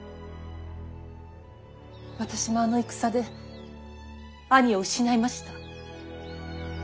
私もあの戦で兄を失いました。